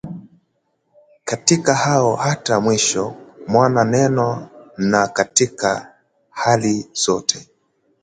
katikati au hata mwishoni mwa neno na katika hali zote